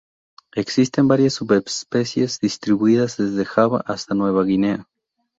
Existen varias subespecies, distribuidas desde Java hasta Nueva Guinea.